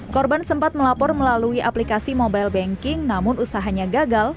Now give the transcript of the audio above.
korban sempat melapor melalui aplikasi mobile banking namun usahanya gagal